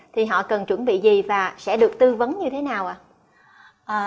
thì họ cần chuẩn bị gì và sẽ được tư vấn như thế nào ạ